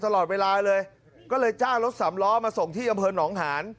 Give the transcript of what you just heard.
ตลอดเวลาเลยก็เลยจ้างรถสามล้อมาส่งที่อำเภอหนองหาน